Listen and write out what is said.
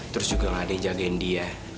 terus juga gak ada yang jagen dia